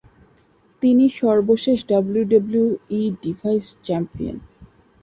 তিনি সর্বশেষ WWE Divas champion.